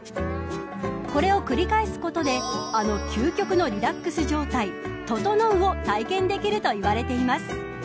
これを繰り返すことであの究極のリラックス状態、整うを体験できると言われています。